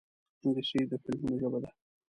انګلیسي د فلمونو ژبه ده